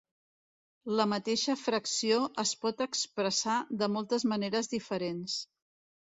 La mateixa fracció es pot expressar de moltes maneres diferents.